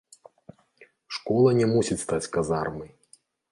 Школа не мусіць стаць казармай.